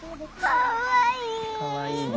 かわいいね。